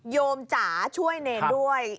โยมจ๋าช่วยเนรด้วย